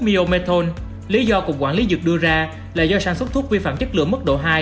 mio metron lý do cục quản lý dược đưa ra là do sản xuất thuốc vi phạm chất lượng mức độ hai